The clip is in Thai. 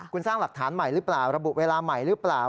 คุณสร้างหลักฐานใหม่หรือเปล่าระบุเวลาใหม่หรือเปล่า